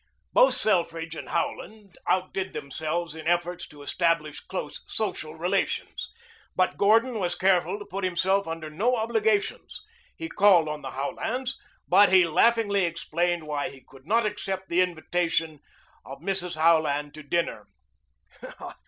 Both Selfridge and Howland outdid themselves in efforts to establish close social relations. But Gordon was careful to put himself under no obligations. He called on the Howlands, but he laughingly explained why he could not accept the invitations of Mrs. Howland to dinner.